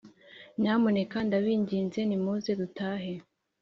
nyamuneka ndabinginze nimuze dutahe.